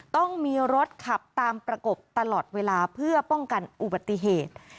ต้องมีรถขับตามประกบตลอดเวลาเพื่อป้องกันอุบัติเหตุ